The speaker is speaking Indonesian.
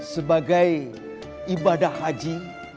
sebagai ibadah haji